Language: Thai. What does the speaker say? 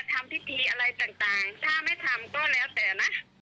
ทำพิธีอะไรต่างถ้าไม่ทำก็แล้วแต่นะ